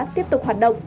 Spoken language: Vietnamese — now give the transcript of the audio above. tiếp tục hoạt động